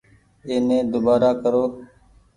ايني ۮوبآرآ ڪرو ۔